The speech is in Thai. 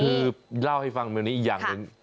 คือเล่าให้ฟังแบบนี้อีกอย่างหนึ่ง